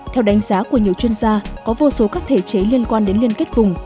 theo đánh giá của nhiều chuyên gia có vô số các thể chế liên quan đến liên kết vùng